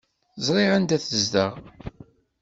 Ẓriɣ anda tzedɣeḍ.